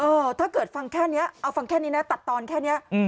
ถ้าเกิดฟังแค่นี้เอาฟังแค่นี้นะตัดตอนแค่นี้